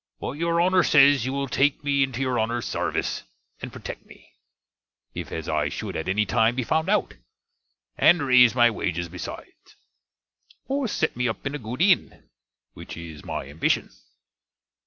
But your Honner says you will take me into your Honner's sarvise, and protect me, if as I should at any time be found out; and raise my wages besides; or set me upp in a good inne; which is my ambishion.